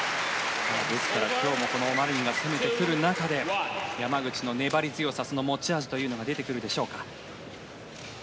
今日もマリンが攻めてくる中で山口の粘り強さ、持ち味が出てくるでしょうか。